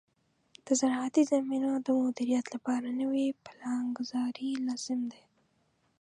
د زراعتي زمینو د مدیریت لپاره نوې پلانګذاري لازم ده.